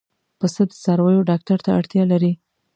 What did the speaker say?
پسه د څارویو ډاکټر ته اړتیا لري.